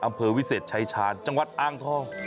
อำเภอวิเศษชายชาญจังหวัดอ่างทอง